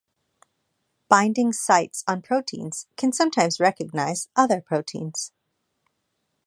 Binding sites on proteins can sometimes recognize other proteins.